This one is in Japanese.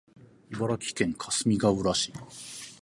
茨城県かすみがうら市